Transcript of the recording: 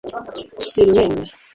Suriname